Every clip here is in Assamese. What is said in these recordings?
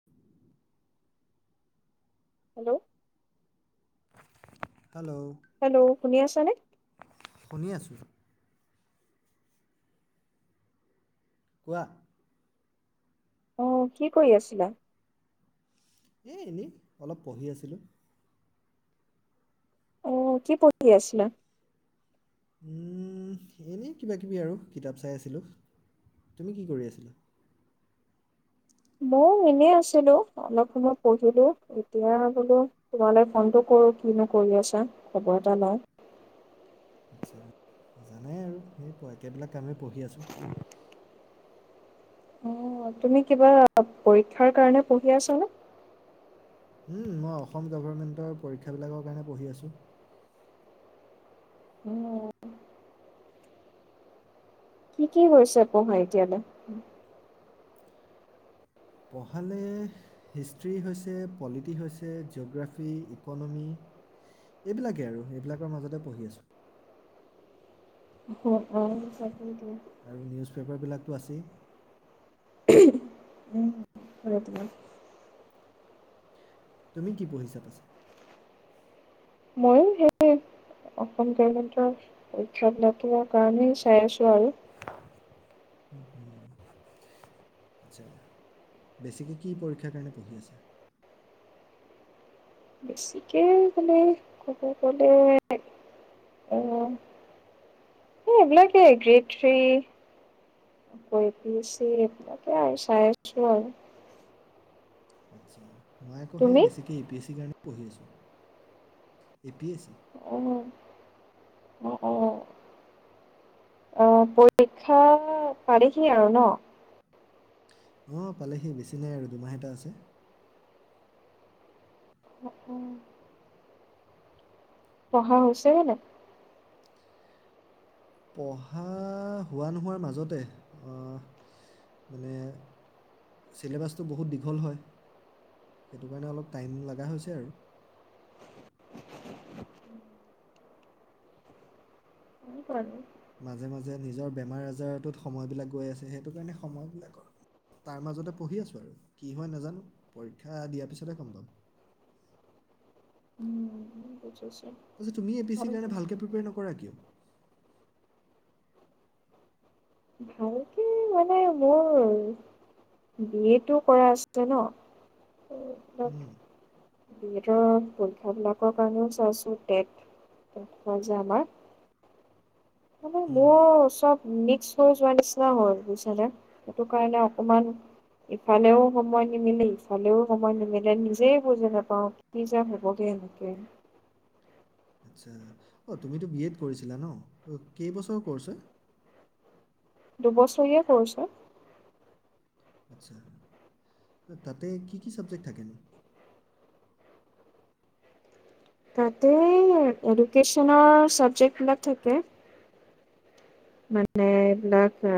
[unintelligible] Hello hello. হেল্ল' শুনি আছাঁ নে? শুনি আছোঁ। কোৱা। অ' কি কৰি আছিলা! এই এনেই অলপ পঢ়ি আছিলোঁ। অ' কি পঢ়ি আছিলা! উম, এনেই কিবাকিবি আৰু কিতাপ চাই আছিলোঁ? তুমি কি কৰি আছিলা! ময়ো এনেই আছিলো। অলপ সময় পঢ়িলোঁ। এতিয়া বোলো তোমালৈ ফোনটো কৰো কিনো কৰি আছাঁ! খবৰ এটা লও। আচ্ছা। জানাই আৰু সেই একেবিলাক কামেই পঢ়ি আছোঁ। অ' তুমি কিবা পৰীক্ষাৰ কাৰণে পঢ়ি আছাঁ নে? উম, মই অসম গভৰ্ণমেণ্টৰ পৰীক্ষাবিলাকৰ কাৰণে পঢ়ি আছোঁ। উম। কি কি হৈছে পঢ়া এতিয়া বা? পঢ়ালে হিষ্ট্ৰি হৈছে পলিটি হৈছে, জিঅ'গ্ৰাফী, ইকনমি এইবিলাকেই আৰু এইবিলাকৰ মাজতে পঢ়ি আছোঁ। অৱ অৱ তাকেই তু। আৰু নিউজ পেপাৰবিলাকতো আছেই। উম। [unintelligible] তুমি কি পঢ়িছা পাছে? মইও সেইয়ে। অসম গভমেন্টৰ পৰীক্ষা বিলাকৰ কাৰণেই চাই আছো আৰু। উম উম, আচ্ছা। বেছিকে কি পৰীক্ষাৰ কাৰণে পঢ়ি আছা! বেছিকে মানে ক'ব গলে, আহ এই এইবিলাকেই গ্ৰেড থ্ৰী। আক এপিএছি তাকে আৰু চাই আছো আৰু। আচ্ছা মই আকৌ সেই তুমি বেছিকৈ এ পি এছ চিৰ কাৰণে পঢ়ি আছোঁ। এ পি এছ চি অ, অ অ। অ পৰীক্ষা পালেহি আৰু ন? অৱ পালেহি বেছি নাই আৰু দুমাহ এটা আছে। উম উম। পঢ়া হৈছে নে নাই! পঢ়া হোৱা নোহোৱাৰ মাজতে, আহ মানে চিলেবাছটো বহুত দীঘল হয়। সেইটো কাৰণে অলপ টাইম লগা হৈছে আৰু। [unintelligible] মাজে মাজে নিজৰ বেমাৰ আজাৰটোত সময়বিলাক গৈ আছে সেইটো কাৰণে সময়বিলাকৰ তাৰ মাজতে পঢ়ি আছোঁ আৰু কি হয় নাজানো পৰীক্ষা দিয়াৰ পিছতহে গম পাম। উম। বুজিছোঁ। তাৰপিছত তুমি এপিএ চিৰ কাৰণে ভালকে প্ৰিপেয়াৰ নকৰা কিয়! ভালকে মানে মোৰ বিএটো কৰা আছিলে ন হম বি এডৰ পৰীক্ষাবিলাকৰ কাৰণেও চাইছোঁ টেট টেট হয় যে আমাৰ মানে হুম মোৰ চব মিক্স হৈ যোৱা নিচিনা হল বুইছানে সেইটো কাৰণে অকমান ইফালেও সময় নিমিলে ইফালেও সময় নিমিলে নিজেই বুজি নাপাওঁ কি যে হবগে এনেকে আচ্ছা অঁ তুমিতো বি এড কৰিছিলা ন কেইবছৰৰ ক'ৰ্ছ হয় দুবছৰীয়া কৰ্চ হয় আচ্ছা তাতে কি কি চাবজেক্ট থাকেনো তাতে এডুকেশ্বনৰ চাবজেক্ট বিলাক থাকে মানে এইবিলাক আ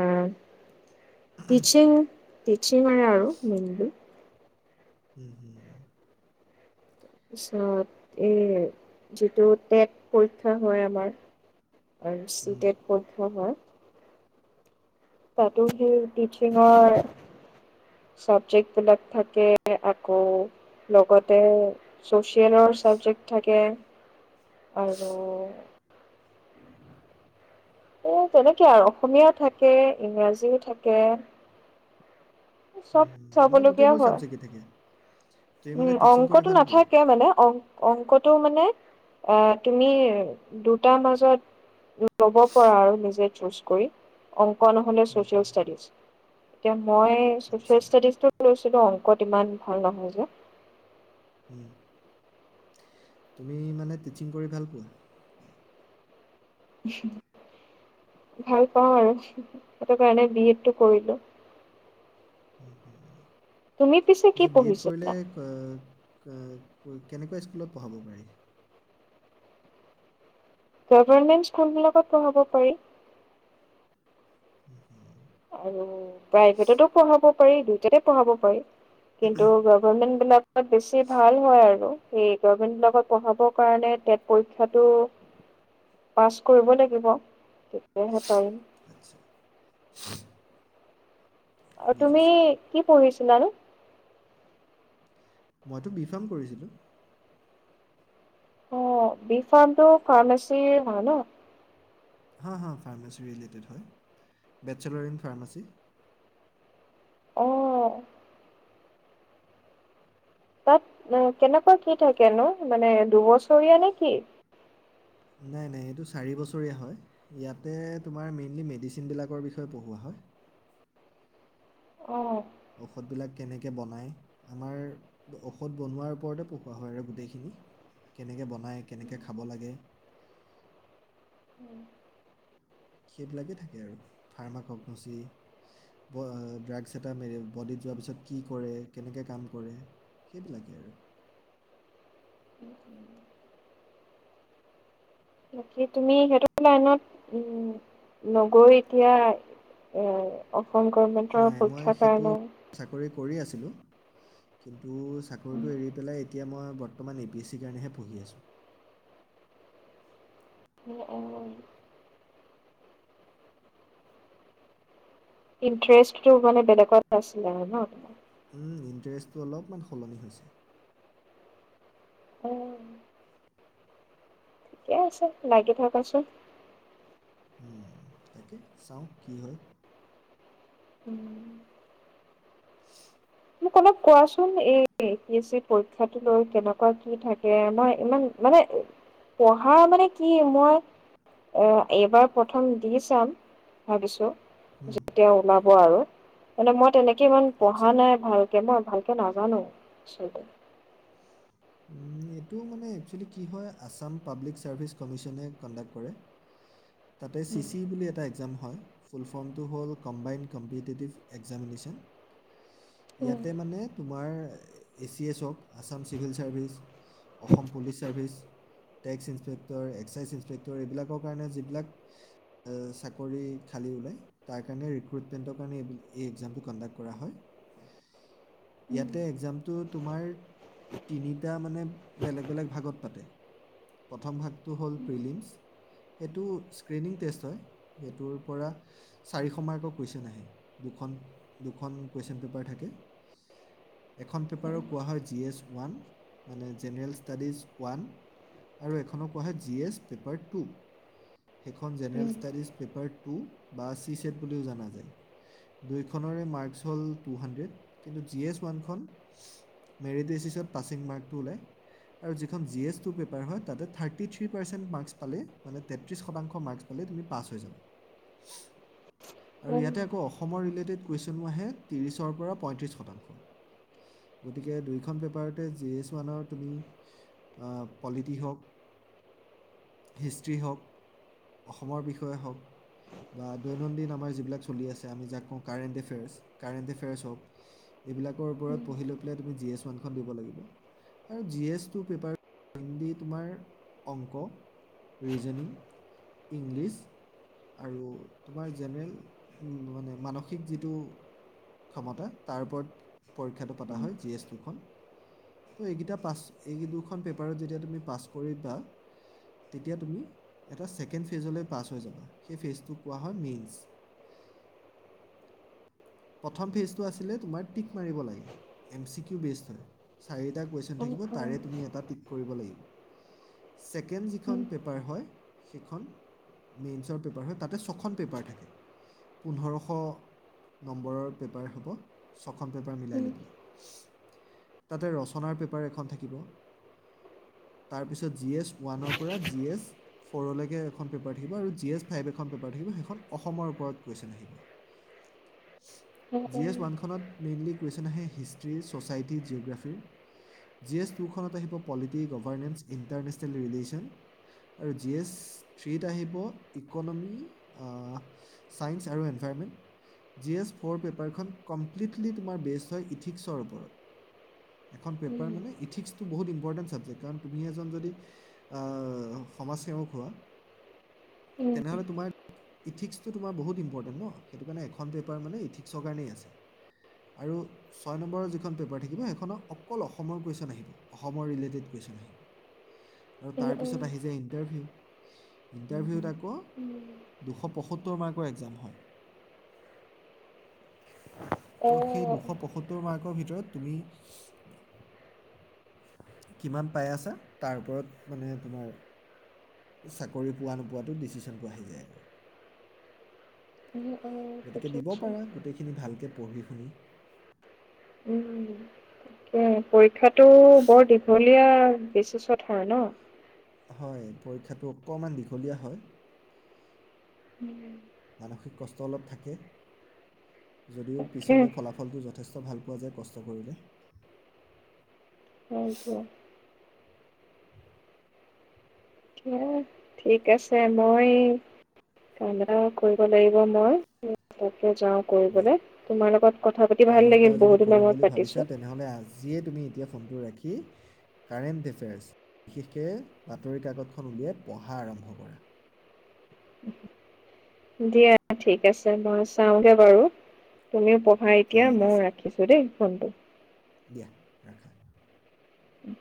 টিচিং টিচিঙৰে আৰু মেইনলি উম হুম তাৰ পিছত এই যিটো টেট পৰীক্ষা হয় আমাৰ আৰু চি হুম টেট পৰীক্ষাও হয় তাতো সেই টিচিঙৰ চাবজেক্ট বিলাক থাকে আকৌ লগতে ছ'চিয়েলৰ ছাবজেক্ট থাকে আৰু [inaudible] এ তেনেকে আৰু অসমীয়া থাকে ইংৰাজীও থাকে চব চাবলগীয়া হয় থাকি উম অংকটো নাথাকে মানে অং অংকটো মানে আহ তুমি দুটাৰ মাজত ল'ব পৰা আৰু নিজে চুজ কৰি অং নহলে ছছিয়েল আচ্ছা ইষ্টদী লৈছিলোঁ অংকত ইমান ভাল নহয় যে হম [inaudible] তুমি মানে টিচিং কৰি ভাল পোৱা ভাল পাওঁ আৰু সেইটো কাৰণে বি এডটো কৰিলো উম হুম [inaudible] তুমি পিছ তাৰপিছত বি এড কৰিলে কেনেকুৱা স্কুলত পঢ়াব পাৰি গভমেণ্ট স্কুলবিলাকত পঢ়াব পাৰি উম হুম [inaudible] আৰু প্ৰাইভেটতো পঢ়াব পাৰি দুইটাতে পঢ়াব পাৰি কিন্তু গভমেন্ট বিলাকত বেছি ভাল হয় আৰু সেই গভমেন্টৰ লগত পঢ়াবৰ কাৰণে টেট পৰীক্ষাটো পাছ কৰিব‌ লাগিব তেতিয়াহে পাৰিম। [inaudible] আৰু তুমি বুজিছোঁ কি পঢ়িছিলা নো মইতো বিফাৰ্ম কৰিছিলোঁ অ বি ফাৰ্মটো ফাৰ্মাচী হয় ন হা হা ফাৰ্মাচী ৰিলেটেড হয় বেচেলাৰ ইন ফাৰ্মাচী অ। তাত কেনেকুৱা কি থাকেনো মানে দুবছৰীয়া নে কি? নাই নাই এইটো চাৰি বছৰীয়া হয়। ইয়াতে তোমাৰ মেইনলি মেডিচিনবিলাকৰ বিষয়ে পঢ়োৱা হয়। অ। ঔষধবিলাক কেনেকে বনায়। আমাৰ ঔষধ বনোৱাৰ ওপৰতে পোঢ়োৱা হয় আৰু গোটেইখিনি। কেনেকে বনায় কেনেকে খাব লাগে। সেইবিলাকেই থাকে আৰু ফাৰ্মা কগনচি। ড্ৰাগছ এটা মেৰি বডিত যোৱাৰ পিছত কি কৰে কেনেকৈ কাম কৰে। সেইবিলাকেই আৰু বাকি তুমি সেইটো লাইনত উ নগৈ এতিয়া। উম অসম গভণমেণ্টৰ নাই মই পৰীক্ষাৰ সেইটো কাৰণেও। চাকৰি কৰি আছিলো কিন্তু চাকৰিটো এৰি পেলাই। এতিয়া মই বতমান এ বি চি কাৰণে পঢ়ি আছো। উম উম। ইষ্টটো মানে বেলেগত আছিলে আৰু ন। উম ইণ্টাৰেষ্টটো অলপমান সলনি হৈছে। উম। ঠিকে আছে লাগি থকাচোন। উম তাকে চাওঁ কি হয়। উম। [unintelligible] মোক অলপ কোৱাচোন এই এ পি এছ চিৰ পৰীক্ষাটো লৈ কেনেকুৱা কি থাকে মই ইমান। মানে পঢ়া মানে কি মই। এ এইবাৰ প্ৰথম দি চাম ভাবিছোঁ। উম, যেতিয়া তেওঁ ওলাব আৰু মানে মই তেনেকে ইমান আচ্ছা পঢ়া নাই। ভালকে ন ভালকে নাজানো আচলতে। এইটো মানে একচুৱেলি কি হয় আছাম পাব্লিক ছাৰ্ভিচ কমিচনে কণ্ডাক্ট কৰে। [inaudible] তাতে চি চি ই বুলি এটা একজাম হয়। ফুল ফৰ্মটো হ'ল কম্বাইনড কম্পিটিটিভ এক্জামমিনেশ্যন ইয়াতে মানে। তোমাৰ এ চি এ চ ক Assam civil service, Assam police service. Tax inspector, excise inspector এইবিলাকৰ কাৰণে যিবিলাক। অ চাকৰি খালী ওলায়, তাৰ কাৰণে ৰিক্ৰুইটমেণ্টৰ কাৰণে এই এই এক্সামটো কণ্ডাক্ট কৰা হয়। [inaudible] ইয়াতে এক্জামটো তোমাৰ। তিনিটা মানে বেলেগ বেলেগ ভাগত পাতে প্ৰথম ভাগটো হ'ল প্ৰিলিমছ। সেইটো স্ক্ৰীণিং টেষ্ট হয় সেইটোৰ পৰা। চাৰিশ মাৰ্কৰ কুৱেশ্যন আহে দুখন দুখন কুৱেশ্যন পেপাৰ থাকে। এখন পেপাৰো কোৱা হয় জি এছ ওৱান মানে জেনেৰেল ষ্টাডিজ ওৱান। আৰু এখনক কোৱা হয় জি এছ পেপাৰ টু। সেইখন জেনেৰেল ষ্টাডিজ পেপাৰ টু বা চি ছেট বুলিও জনা যায়। দুইখৰে মাৰ্কছ হ'ল টু হাণ্ড্ৰেড কিন্তু জি এছ ওৱানখন মেৰিট বেচিছত পাছিং মাৰ্কটো ওলায়। আৰু যিখন জি এছ টু পেপাৰ হয় তা থাৰটি থ্ৰী পাৰ্চেণ্ট মাৰ্কছ পালে মানে তেত্ৰিছ শতাংশ মাৰ্কছ পালে তুমি পাছ হৈ যাবা। আৰু ইয়াতে আকৌ অসমৰ ৰিলেটেড কুৱেশ্যনো আহে ত্ৰিশৰ পৰা পঁয়ত্ৰিশ শতাংশ। গতিকে দুইখন পেপাৰতে জি এছ ওৱানৰ তুমি আহ পলিটি হওক হিষ্ট্ৰী হওক, অসমৰ বিষয়ে হওক বা দৈনন্দিন আম আমাৰ যিবিলাক চলি আছে আমি যাক কওঁ কাৰেণ্ট এফেয়াৰ্চ, কাৰেণ্ট এফেয়াৰ্চ হওক এইবিলাকৰ ওপৰত পঢ়ি লৈ পেলাই তুমি জি এছ ওৱানখন দিব লাগিব। আৰু G S two paper Hindi তোমাৰ অংক ৰিজইনিং, ইংলিছ আৰু তোমাৰ জেনেৰেল মানে মানসিক যিটো ক্ষমতা তাৰ ওপৰত পৰীক্ষাটো পাতা হয় জি এছ টু খন। ত' এইকেইটা পাছ এই দুখন পেপাৰত যেতিয়া তুমি পাছ কৰিবা। তেতিয়া তুমি এটা ছেকেণ্ড ফেজলৈ পাছ হৈ যাবা, সেই ফেজটোক কোৱা হয় মেইনছ। প্ৰথম ফেজটো আছিলে তোমাৰ টিক মাৰিব লাগে এম চি কিউ বেচ হয়। চাৰিটা কুৱেশ্যন অপচন থাকিব তাৰে তুমি এটা টিক কৰিব লাগিব, চেকেণ্ড যিখন পেপাৰ হয় সেইখন মেইনছৰ পেপাৰ হয় তাতে ছখন পেপাৰ থাকে। পোন্ধৰশ নম্বৰৰ পেপাৰ হ'ব। ছখন পেপাৰ মিলাই লৈকিনি, তাতে ৰচনাৰ পেপাৰ এখন থাকিব। তাৰপিছত জি এছ ওৱানৰ পৰা জি এছ ফ'ৰলৈকে এখন পেপাৰ থাকিব আৰু জি এছ ফাইভ এখন পেপাৰ থাকিব সেইখন অসমৰ ওপৰত কুৱেশ্যন আহিব। জি এছ ওৱান খনত মেইনলি কুৱেশচন আহে হিষ্ট্ৰ্ৰী, ছ'চাইটি, জিঅ'গ্ৰাফীৰ। জি এছ টুখনত আহিব পলিটি গভাৰ্নেন্স ইণ্টাৰনেশ্যনেল ৰিলেশ্যন। আৰু জি এছ থ্ৰীত আহিব ইকনমি, আহ ছাইঞ্চ আৰু এনভাইৰমেণ্ট। জি এছ ফ'ৰ পেপাৰখন কমপ্লিটলি তোমাৰ বেচড হয় ইথিক্সৰ ওপৰত। এখন পেপাৰ মানে ইথিক্স বহুত ইম্পৰ্টেন্ট চাবজেক্ট কাৰণ তুমি এজন যদি আহ সমাজ সেৱক হোৱা উম। নহ'লে তোমাৰ ইথিক্স টো তোমাৰ বহুত ইম্পৰ্টেণ্ট ন সেইটো কাৰণে এখন পেপাৰ মানে ইথিক্সৰ কাৰণেই আছে, আৰু ছয় নম্বৰৰ যিখন পেপাৰ থাকিব সেইখননৰ অকল অসমৰ কুৱেশ্যন আহিব অসমৰ ৰিলেটেড কুৱেশ্যন আহিব। [unintelligible] আৰু তাৰপিছত আহি যায় ইণ্টাৰভিউ, ইণ্টাৰভিউত আকৌ উম। দুশ পঁয়সত্তৰ মাৰ্কৰ একজাম হয়। ত' সেই দুশ পয়সত্তৰ মাৰ্কৰ ভিতৰত তুমি কিমান পাই আছা, তাৰ ওপৰত মানে তোমাৰ চাকৰি পোৱা নোপোৱাতটো ডিচিশ্যনটো আহি যায় আৰু। গতিকে দিব পাৰা গোটেইখিনি ভালকে পঢ়ি শুনি। উম। পৰীক্ষাটো বৰ দীঘলীয়া বেচিছত হয় ন। হয় পৰীক্ষাটো অকণমান দীঘলীয়া হয়। ঊম। মানসিক কষ্ট অলপ থাকে। যদিও তাকে পিছলৈ ফলাফলটো যথেষ্ট ভাল পোৱা যায় কষ্ট কৰিলে। Thank you. কিবা। ঠিক আছে মই। কাম এটা কৰিব লাগিব মই তাতে যাওঁ। দিয়া কৰিবলে তোমাৰ লগত কথা পাতি ভাল কাইলৈৰ পৰা লাগিল যদি বহুত দিনৰ কৰিম বুলি মুৰত ভাবিছা পাতিছোঁ। তেনেহ'লে আজিয়েচঊএতিয়া ফোনটো ৰাখি। কাৰেণ্ট এফেয়াৰ্চ বিশেষকৈ বাতৰি কাকতখন উলিয়াই পঢ়া আৰম্ভ কৰা। দিয়া ঠিক আছে মই চাওঁগে বাৰু তুমিও পঢ়া এতিয়া ঠিক ময়ো আছে ৰাখি। ৰাখো দেই ফোনটো। দিয়া ৰাখা। উম।